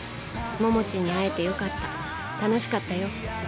桃地に会えてよかった楽しかったよ。